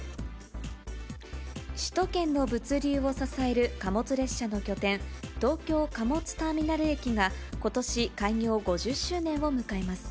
首都圏の物流を支える貨物列車の拠点、東京貨物ターミナル駅がことし、開業５０周年を迎えます。